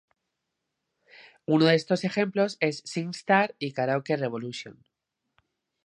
Uno de estos ejemplos es "Singstar" y "Karaoke revolution".